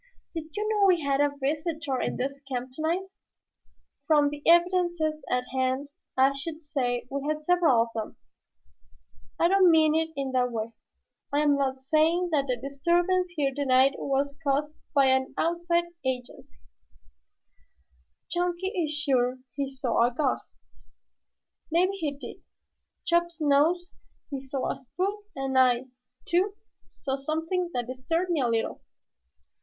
"Did you know we had a visitor in this camp tonight?" "From the evidences at hand I should say we had had several of them." "I don't mean it in that way. I am not saying that the disturbance here tonight was caused by any outside agency. Chunky is sure he saw a ghost. Maybe he did. Chops knows he saw a spook and I, too, saw something that disturbed me a little."